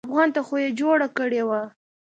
افغان ته خو يې جوړه کړې وه.